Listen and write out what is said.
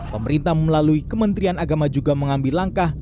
pemerintah melalui kementerian agama juga mengambil langkah